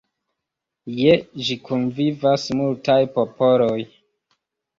Je ĝi kunvivas multaj popoloj.